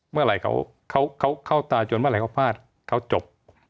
เมื่อไหร่เขาเข้าตาจนเมื่อไหร่เขาพลาดเขาจบ